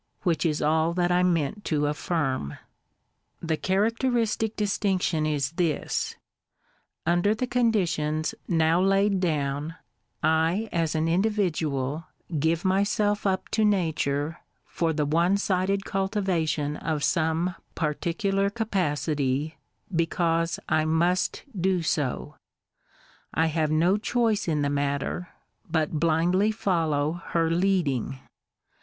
— which 18 all that I meant to af firm. The characteristic distinction is this: — Under the con ditions now laid down, 1 as an individual give myself up to nature for the one sided cultivation of some particular capacity, because / must do so; I have no choice in the matter, but blindly follow her leading.